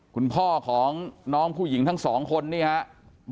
คุณพ่อของน้องผู้หญิงทั้งสองคนนี่ครับ